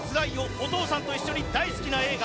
お父さんと一緒に大好きな映画。